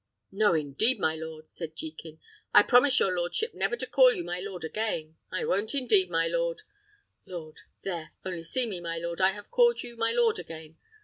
"No, indeed, my lord," said Jekin; "I promise your lordship never to call you my lord again; I won't indeed, my lord! Lord! There, only see, my lord, I have called you my lord again!